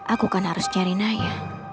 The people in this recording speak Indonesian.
aku kan harus cari naya